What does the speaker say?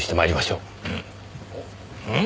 うん。